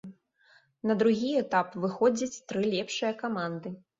На другі этап выходзяць тры лепшыя каманды.